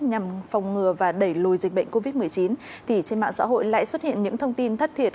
nhằm phòng ngừa và đẩy lùi dịch bệnh covid một mươi chín trên mạng xã hội lại xuất hiện những thông tin thất thiệt